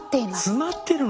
詰まってるの！？